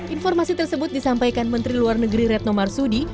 informasi tersebut disampaikan menteri luar negeri retno marsudi